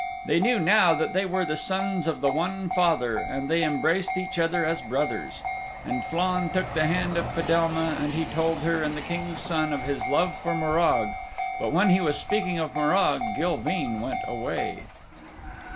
They knew now that they were the sons of the one father, and they embraced each other as brothers. And Flann took the hand of Fedelma and he told her and the King's Son of his love for Morag. But when he was speaking of Morag, Gilveen went away.